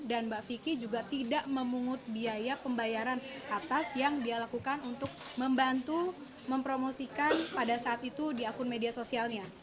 mbak vicky juga tidak memungut biaya pembayaran atas yang dia lakukan untuk membantu mempromosikan pada saat itu di akun media sosialnya